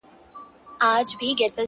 هلته پاس چي په سپوږمـۍ كــي.